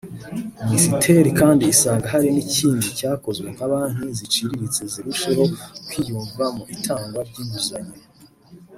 Minisiteri kandi isanga hari n’ikindi cyakozwe ngo banki ziciriritse zirusheho kwiyumva mu itangwa ry’inguzanyo